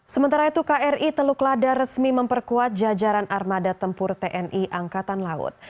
sementara itu kri teluk lada resmi memperkuat jajaran armada tempur tni angkatan laut